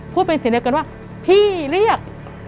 พูดเป็นเสียงเดียวกันว่าพี่เรียก